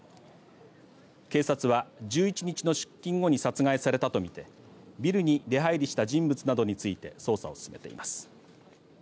警察は１１日の出勤後に殺害されたとみてビルに出入りした人物などについて捜査を進めています。